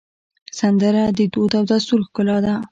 سندره د دود او دستور ښکلا ده